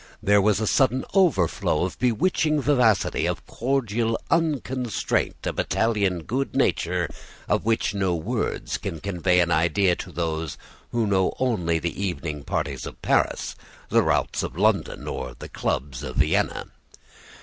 There was a sudden overflow of bewitching vivacity, of cordial unconstraint, of Italian good nature, of which no words can convey an idea to those who know only the evening parties of Paris, the routs of London, or the clubs of Vienna.